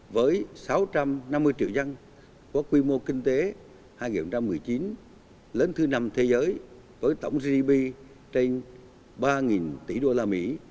với sáu trăm năm mươi triệu dân có quy mô kinh tế hai nghìn một mươi chín lên thứ năm thế giới với tổng gdp trên ba tỷ usd